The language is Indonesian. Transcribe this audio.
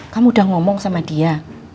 kamu udah ngomong sama dia